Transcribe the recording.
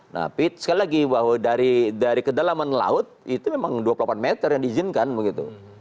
nah sekali lagi bahwa dari kedalaman laut itu memang dua puluh delapan meter yang diizinkan begitu